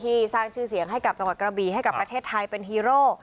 สร้างชื่อเสียงให้กับจังหวัดกระบีให้กับประเทศไทยเป็นฮีโร่